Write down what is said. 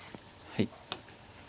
はい。